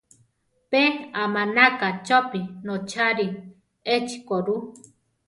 Pe amánaka chopí notzári echi ko ru.